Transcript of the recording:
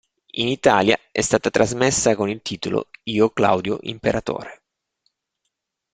In Italia è stata trasmessa con il titolo "Io Claudio imperatore".